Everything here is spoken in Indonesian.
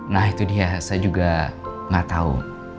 nah itu dia saya juga nggak tahu